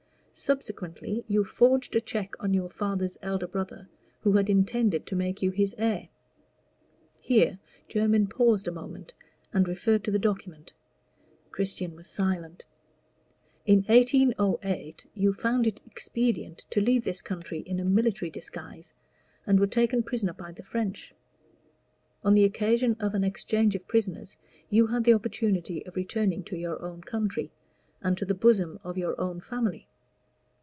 Subsequently you forged a check on your father's elder brother, who had intended to make you his heir." Here Jermyn paused a moment and referred to the document. Christian was silent. "In 1808 you found it expedient to leave this country in a military disguise, and were taken prisoner by the French. On the occasion of an exchange of prisoners you had the opportunity of returning to your own country, and to the bosom of your own family.